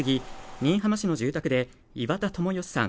新居浜市の住宅で岩田友義さん